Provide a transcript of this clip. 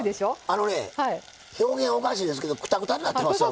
あのね表現おかしいですけどくたくたになってますよ